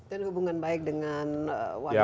dan hubungan baik dengan warga kota dan depan